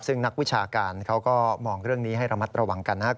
ซึ่งนักวิชาการเขาก็มองเรื่องนี้ให้ระมัดระวังกันนะครับ